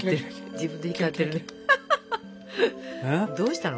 どうしたの？